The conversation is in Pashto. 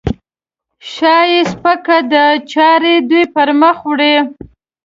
شا یې سپکه ده؛ چارې دوی پرمخ وړي.